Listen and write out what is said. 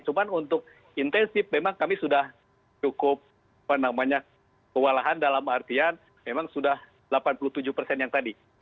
cuma untuk intensif memang kami sudah cukup kewalahan dalam artian memang sudah delapan puluh tujuh persen yang tadi